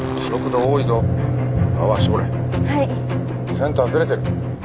センターずれてる。